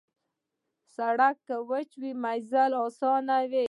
سړک که وچه وي، مزل اسان وي.